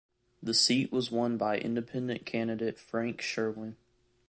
The seat was won by Independent candidate Frank Sherwin.